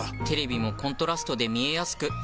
テレビもコントラストで見えやすく。